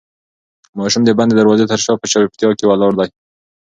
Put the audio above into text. ماشوم د بندې دروازې تر شا په چوپتیا کې ولاړ دی.